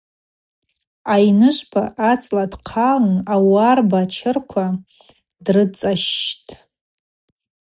Айныжвпа ацӏла дхъалын ауарба ачырква дрыцӏащщтӏ.